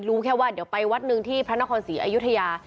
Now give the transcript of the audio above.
รู้แค่ว่าเดี๋ยวไปวัดหนึ่งที่พระนครศรีอยุธยา